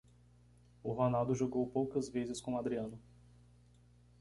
O Ronaldo jogou poucas vezes com o Adriano.